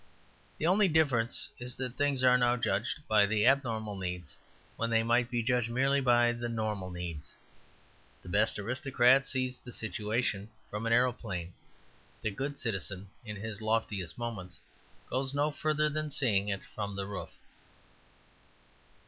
The only difference is that things are now judged by the abnormal needs, when they might be judged merely by the normal needs. The best aristocrat sees the situation from an aeroplane. The good citizen, in his loftiest moments, goes no further than seeing it from the roof.